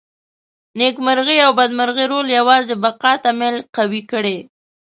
نېکمرغي او بدمرغي رول یوازې بقا ته میل قوي کړي.